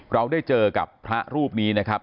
เราได้เจอกับพระรูปนี้นะครับ